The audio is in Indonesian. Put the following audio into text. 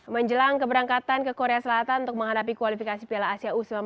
menjelang keberangkatan ke korea selatan untuk menghadapi kualifikasi piala asia u sembilan belas